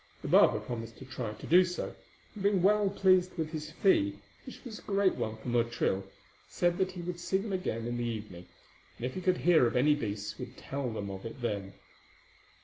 The barber promised to try to do so, and being well pleased with his fee, which was a great one for Motril, said that he would see them again in the evening, and if he could hear of any beasts would tell them of it then.